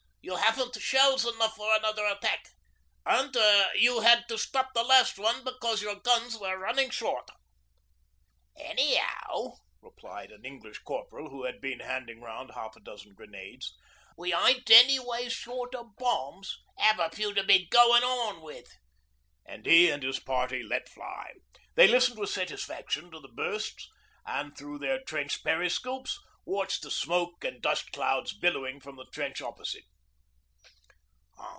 'You haven't shells enough for another attack. You had to stop the last one because your guns were running short.' 'Any'ow,' replied an English corporal who had been handing round half a dozen grenades, 'we ain't anyways short o' bombs. 'Ave a few to be goin' on with,' and he and his party let fly. They listened with satisfaction to the bursts, and through their trench periscopes watched the smoke and dust clouds billowing from the trench opposite.